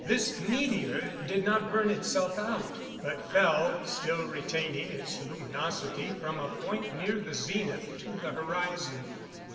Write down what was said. This meteor did not burn itself out, but fell, still retaining its luminosity, from a point near the zenith, to the horizon.